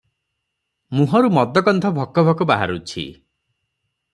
ମୁହଁରୁ ମଦଗନ୍ଧ ଭକ ଭକ ବାହାରୁଛି ।